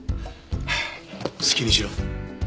はあ好きにしろ。